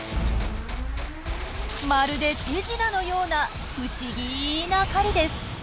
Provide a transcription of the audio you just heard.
まるで手品のような不思議な狩りです。